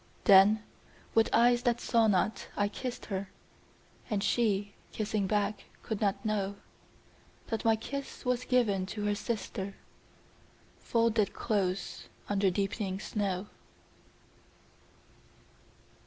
Then, with eyes that saw not, I kissed her: And she, kissing back, could not know That my kiss was given to her sister, Folded close under deepening snow.